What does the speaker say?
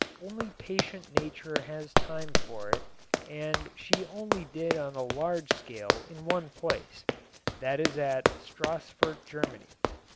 Only patient Nature has time for it and she only did on a large scale in one place, that is at Stassfurt, Germany.